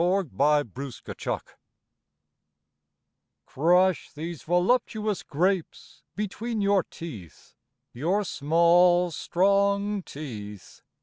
AN INTERLUDE I Crush these voluptuous grapes between your teeth, Your small, strong teeth!